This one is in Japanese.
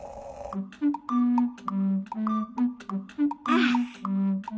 ああ。